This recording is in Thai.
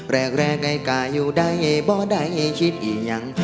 แรกไอ้กาอยู่ใดบ่ได้ไอ้คิดอียัง